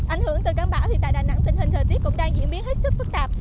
ảnh hưởng từ cơn bão thì tại đà nẵng tình hình thời tiết cũng đang diễn biến hết sức phức tạp